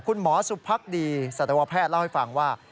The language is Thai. คุณหมอสุภักดีสัตวแพทย์เล่าให้ฟังว่า